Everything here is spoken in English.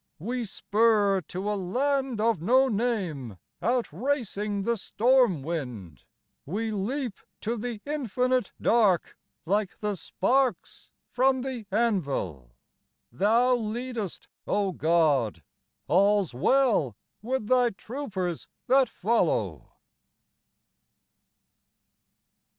_ We spur to a land of no name, out racing the storm wind; We leap to the infinite dark, like the sparks from the anvil. Thou leadest, O God! All's well with Thy troopers that follow.